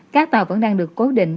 các tàu vẫn đang được cố định